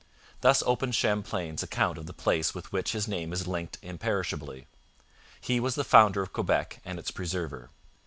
Thus opens Champlain's account of the place with which his name is linked imperishably. He was the founder of Quebec and its preserver.